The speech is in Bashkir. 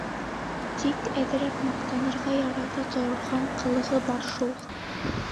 Тик әҙерәк маҡтанырға ярата торған ҡылығы бар шул.